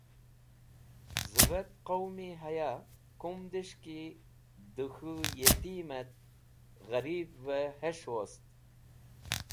Zẽvetk qowmi haya kumdẽs̃h ki dẽ khũ yitimẽt gheribẽ hes̃h wost.